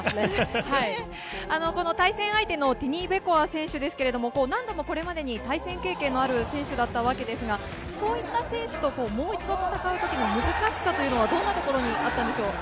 この対戦相手のティニベコワ選手ですけれども、何度もこれまでに対戦経験のある選手だったわけですが、そういった選手ともう一度、戦うときの難しさというのは、どんなところにあったんでしょう。